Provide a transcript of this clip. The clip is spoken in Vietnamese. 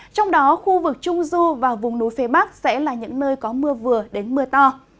trong đó khu vực trung du và vùng núi phía bắc sẽ là những nơi có mưa vừa đến mưa to